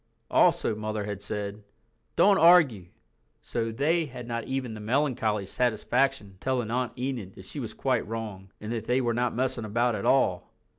Also Mother had said, "Don't argue," so they had not even the melancholy satisfaction of telling Aunt Enid that she was quite wrong, and that they were not messing about at all.